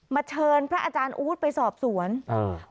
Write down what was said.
เชิญพระอาจารย์อู๊ดไปสอบสวนอ่า